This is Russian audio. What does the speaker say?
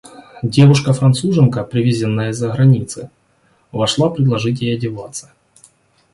Девушка-Француженка, привезенная из-за границы, вошла предложить ей одеваться.